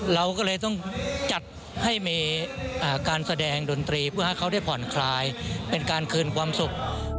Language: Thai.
เราก็เลยต้องจัดให้มีการแสดงดนตรีเพื่อให้เขาได้ผ่อนคลายเป็นการคืนความสุข